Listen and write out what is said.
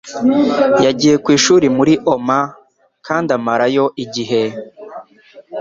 Yagiye ku ishuri muri Omaha kandi amarayo igihe